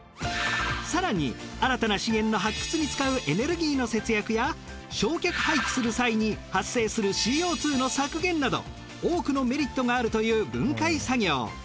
更に新たな資源の発掘に使うエネルギーの節約や焼却廃棄する際に発生するＣＯ２の削減など多くのメリットがあるという分解作業。